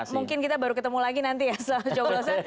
mungkin kita baru ketemu lagi nanti ya soal joglosa